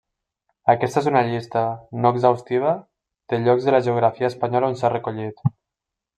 Aquesta és una llista, no exhaustiva, de llocs de la geografia espanyola on s'ha recollit.